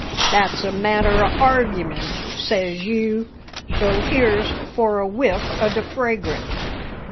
That's a matter o' argyment, says you; so here's for a whiff o' the fragrant!"